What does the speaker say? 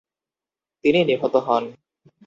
তিনি নিহত হন।